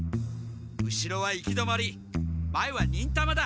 後ろは行き止まり前は忍たまだ！